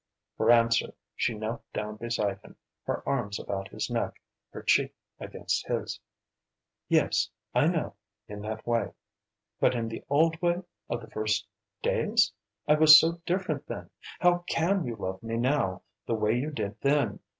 For answer, she knelt down beside him, her arms about his neck, her cheek against his. "Yes I know in that way. But in the old way of the first days? I was so different then. How can you love me now, the way you did then?